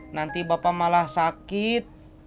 nanti bapak malah sakit